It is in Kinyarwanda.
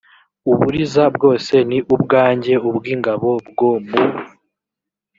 uburiza bwose ni ubwanjye ubw ingabo bwo mu